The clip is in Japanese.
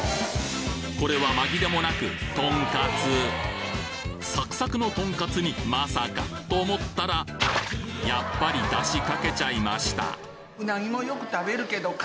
これは紛れもなくサクサクのとんかつにまさか？と思ったらやっぱり出汁かけちゃいました